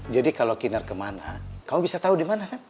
jadi kalau kinar kemana kamu bisa tahu di mana kan